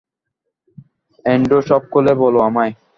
Andrew, সব খুলে বলো আমায়।